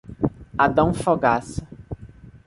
Adão Fogassa